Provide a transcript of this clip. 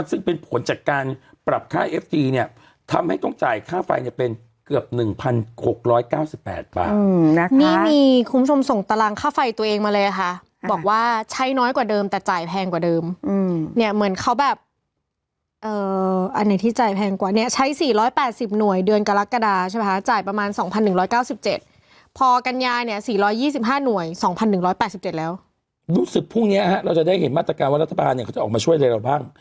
ซึ่งเป็นผลจัดการปรับค่าเอฟทีเนี้ยทำให้ต้องจ่ายค่าไฟเนี้ยเป็นเกือบหนึ่งพันหกร้อยเก้าสิบแปดปะอืมนะคะนี่มีคุณผู้ชมส่งตารางค่าไฟตัวเองมาเลยอ่ะค่ะอ่าบอกว่าใช้น้อยกว่าเดิมแต่จ่ายแพงกว่าเดิมอืมเนี้ยเหมือนเขาแบบเอ่ออันนี้ที่จ่ายแพงกว่านี้ใช้สี่ร้อยแปดสิบหน่วยเดื